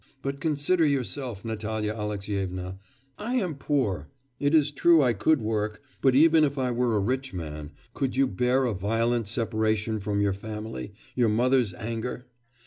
But consider yourself, Natalya Alexyevna; I am poor. It is true I could work; but even if I were a rich man, could you bear a violent separation from your family, your mother's anger?...